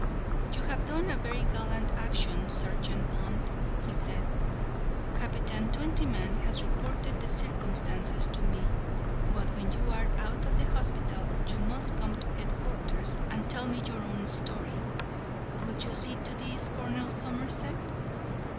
"You have done a very gallant action, Sergeant Blunt," he said. "Captain Twentyman has reported the circumstances to me; but when you are out of hospital you must come to head quarters and tell me your own story. Will you see to this, Colonel Somerset?"